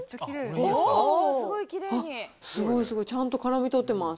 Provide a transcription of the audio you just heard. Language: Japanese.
すごい、すごい、ちゃんと絡め取ってます。